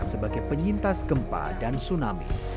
sebagai penyintas gempa dan tsunami